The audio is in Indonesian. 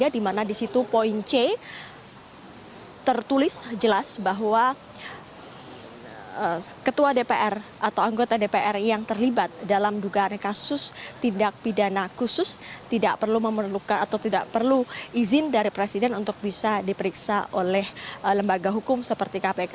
di mana di situ poin c tertulis jelas bahwa ketua dpr atau anggota dpr yang terlibat dalam dugaan kasus tindak pidana khusus tidak perlu memerlukan atau tidak perlu izin dari presiden untuk bisa diperiksa oleh lembaga hukum seperti kpk